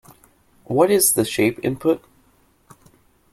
What is the shape input?